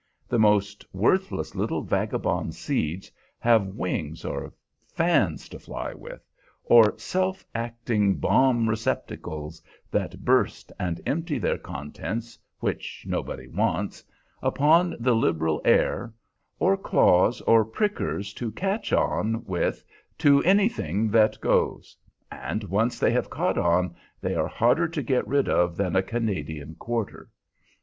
The most worthless little vagabond seeds have wings or fans to fly with, or self acting bomb receptacles that burst and empty their contents (which nobody wants) upon the liberal air, or claws or prickers to catch on with to anything that goes. And once they have caught on, they are harder to get rid of than a Canadian "quarter."